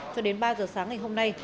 cho đến ba giờ sáng ngày hôm nay